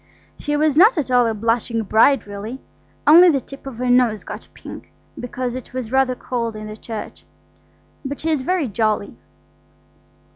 She was not at all a blushing bride really; only the tip of her nose got pink, because it was rather cold in the church. But she is very jolly.